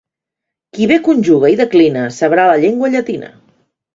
Qui bé conjuga i declina, sabrà la llengua llatina.